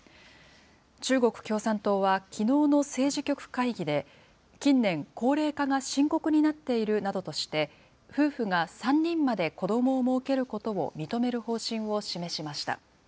中国共産党はきのうの政治局会議で、近年、高齢化が深刻になっているなどとして、夫婦が３人まで子どもをもうけることを認める方針を示しました。